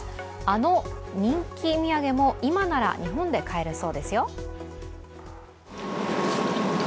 あの人気土産も今なら日本で買えるそうですよ。